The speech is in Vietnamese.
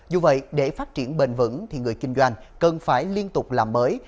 dù vậy để phát triển bền vững thì người kinh doanh cần phải liên tục làm mới